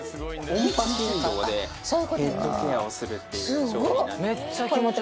音波振動でヘッドケアをするっていう商品。